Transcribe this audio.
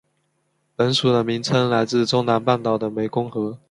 本属的名称来自中南半岛的湄公河。